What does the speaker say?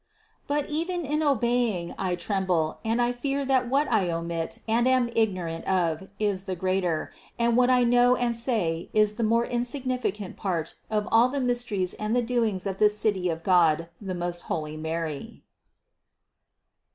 But even in obeying I tremble, and I fear that what I omit and am ignorant of, is the greater, and what THE CONCEPTION 345 I know and say is the more insignificant part of all the mysteries and the doings of this City of God, the most holy Mary.